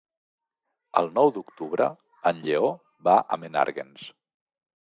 El nou d'octubre en Lleó va a Menàrguens.